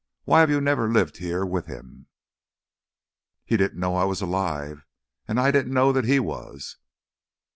Why have you never lived here with him?" "He didn't know I was alive, and I didn't know that he was.